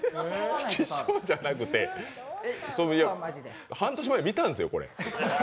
ちくしょうじゃなくて半年前見たんですよ、これ。